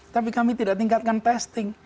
tapi kami tidak tingkatkan testing